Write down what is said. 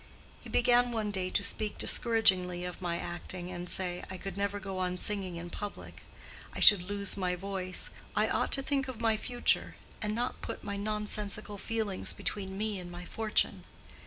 He began one day to speak discouragingly of my acting, and say, I could never go on singing in public—I should lose my voice—I ought to think of my future, and not put my nonsensical feelings between me and my fortune.